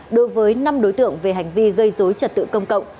đối với năm đối tượng về hành vi gây dối trật tự công cộng